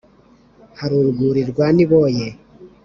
hari urwuri rwa niboye